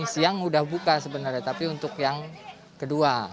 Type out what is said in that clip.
siang sudah buka sebenarnya tapi untuk yang kedua